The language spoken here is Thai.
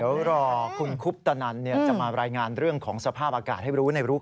เดี๋ยวรอคุณคุปตนันจะมารายงานเรื่องของสภาพอากาศให้รู้ในรูป